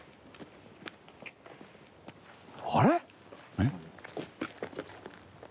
あれ？